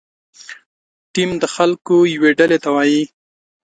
ټیم د خلکو یوې ډلې ته وایي.